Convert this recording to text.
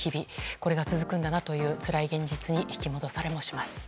これが続くんだなというつらい現実に引き戻されもします。